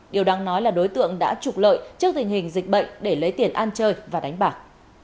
điều đáng nói là đối tượng đã trục lợi trước tình hình dịch bệnh để lấy tiền ăn chơi và đánh bạc